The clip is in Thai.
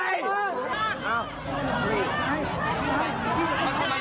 มันขึ้นมาดูชีวิต